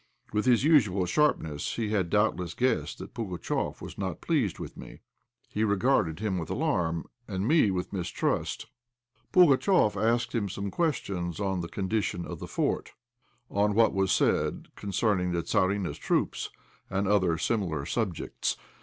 With his usual sharpness he had doubtless guessed that Pugatchéf was not pleased with me. He regarded him with alarm and me with mistrust. Pugatchéf asked him some questions on the condition of the fort, on what was said concerning the Tzarina's troops, and other similar subjects.